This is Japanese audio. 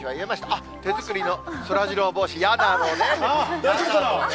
あっ、手作りのそらジロー帽子、大丈夫かな。